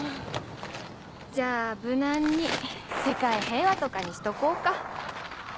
じゃあ無難に世界平和とかにしとこうか。